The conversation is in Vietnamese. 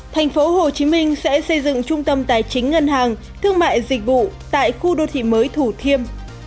thành phố hồ chí minh sẽ xây dựng trung tâm tài chính ngân hàng thương mại dịch vụ tại khu đô thị mới thủ thiêm